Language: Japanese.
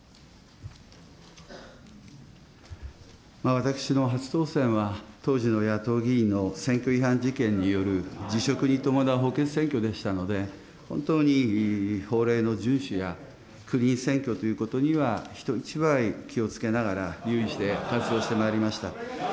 私の初当選は、当時の野党議員の選挙違反事件による辞職に伴う補欠選挙でしたので、本当に法令の順守やクリーン選挙ということには、人一倍気をつけながら、用意して活動してまいりました。